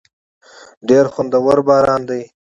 ډېر خوندور باران دی.